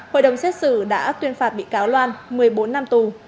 hội đồng xét xử đã tuyên phạt bị cáo loan một mươi bốn năm tù